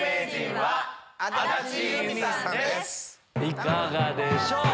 いかがでしょう？